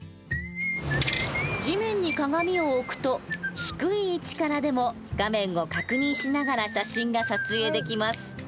地面に鏡を置くと低い位置からでも画面を確認しながら写真が撮影できます。